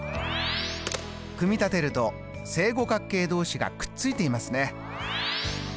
組み立てると正五角形同士がくっついていますね。